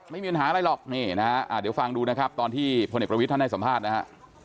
ไม่มีปัญหาอะไรหรอกเนี้ยพลเอกประวิทย์ให้สัมภาษณ์นะฮะ